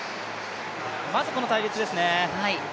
まずこの隊列ですね。